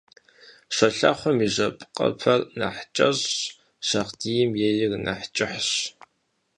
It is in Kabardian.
Щолэхъум и жьэпкъыпэр нэхъ кӀэщӀщ, шагъдийм ейр нэхъ кӀыхьщ.